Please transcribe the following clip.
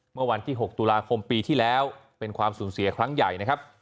เมื่อวันที่๖ตุลาคมปีที่แล้วเป็นความสูญเสียครั้งใหญ่นะครับ